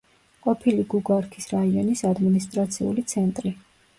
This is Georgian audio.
ყოფილი გუგარქის რაიონის ადმინისტრაციული ცენტრი.